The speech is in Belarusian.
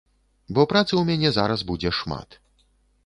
Бо працы ў мяне зараз будзе шмат.